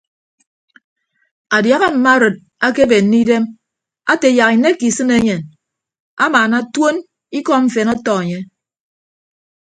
Adiaha mma arịd akebenne idem ate yak inekke isịn eyịn amaana tuoñ ikọ mfen ọtọ enye.